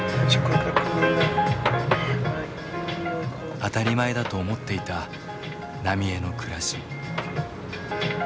当たり前だと思っていた浪江の暮らし。